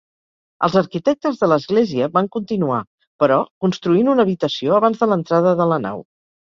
Els arquitectes de l'església van continuar, però, construint una habitació abans de l'entrada de la nau.